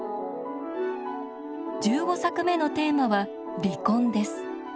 １５作目のテーマは「離婚」です。